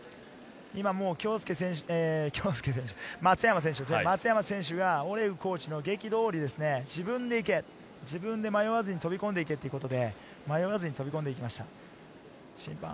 今、松山選手がオレグコーチの檄通り、自分で行け、自分で迷わず、飛び込んで行けということで、迷わず飛び込んでいきました。